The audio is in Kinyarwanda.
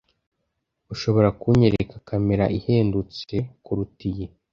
ushobora kunyereka kamera ihendutse kuruta iyi